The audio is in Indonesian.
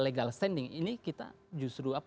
legal standing ini kita justru